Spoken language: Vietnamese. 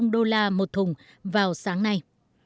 đô la một thùng vào sáng nay